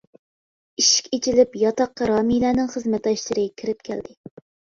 ئىشىك ئېچىلىپ ياتاققا رامىلەنىڭ خىزمەتداشلىرى كىرىپ كەلدى.